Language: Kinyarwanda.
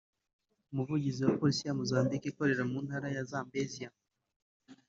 umuvugizi wa Polisi ya Mozambique ikorera mu Ntara ya Zambezia